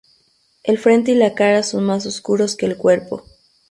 El frente y la cara son más oscuros que el cuerpo.